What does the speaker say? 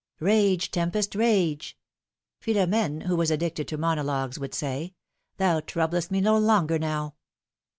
Rage, tempest, rage !" Philom^ne, who was addicted to monologues, would say : thou troublest me no longer now!"